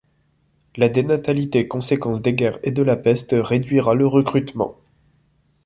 La dénatalité, conséquence des guerres et de la peste, réduira le recrutement.